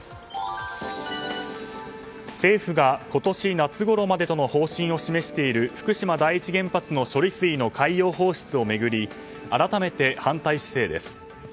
政府が今年夏ごろまでとの方針を示している福島第一原発の処理水の海洋放出を巡り改めて反対姿勢です。